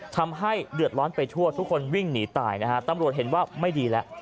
ทำให้เดือดร้อนไปทั่วทุกคนวิ่งหนีตายนะฮะตำรวจเห็นว่าไม่ดีแล้ว